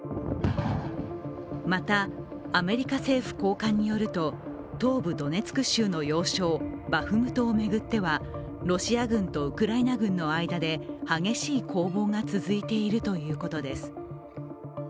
また、アメリカ政府高官によると、東部ドネツク州の要衝バフムトを巡ってはロシア軍とウクライナ軍の間で激しい攻防が続いているということです。